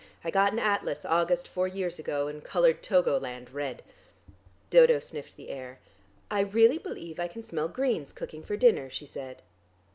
I got an atlas August four years ago and coloured Togoland red." Dodo sniffed the air. "I really believe I can smell greens cooking for dinner," she said.